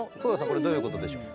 これどういうことでしょう？